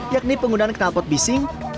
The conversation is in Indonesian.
yakni penggunaan kenalpot bising